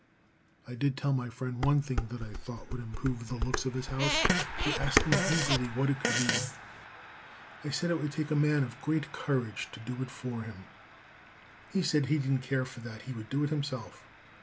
I did tell my friend one thing that I thought would improve the looks of his house. He asked me eagerly what it could be. I said it would take a man of great courage to do it for him. He said he didn't care for that. He would do it himself.